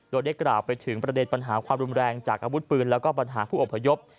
โดยได้กล่าวไปถึงประเด็นปัญหาความรุนแรงจากอาวุธปืนแล้วก็ปัญหาผู้อพยพ